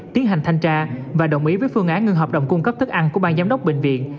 tiến hành thanh tra và đồng ý với phương án ngưng hợp đồng cung cấp thức ăn của ban giám đốc bệnh viện